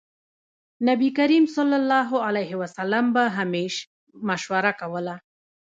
نبي کريم ص به همېش مشوره کوله.